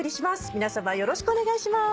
皆さまよろしくお願いします。